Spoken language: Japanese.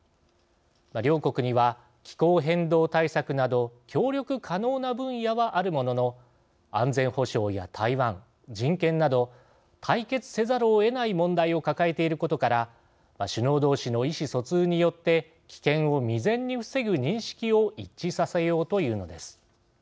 両国には気候変動対策など協力可能な分野はあるものの安全保障や台湾人権など対決せざるをえない問題を抱えていることから首脳同士の意思疎通によって危険を未然に防ぐ認識を一致させようと言うのです。